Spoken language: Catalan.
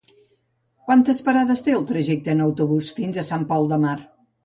Quantes parades té el trajecte en autobús fins a Sant Pol de Mar?